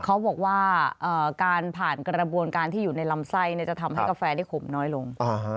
เขาบอกว่าการผ่านกระบวนการที่อยู่ในลำไส้จะทำให้กาแฟได้ขมน้อยลง